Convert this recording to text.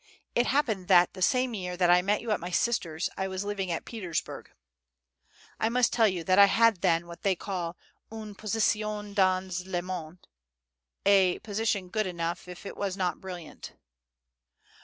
It happened that the same year that I met you at my sister's I was living at Petersburg. I must tell you I had then what they call une position dans le monde, a position good enough if it was not brilliant.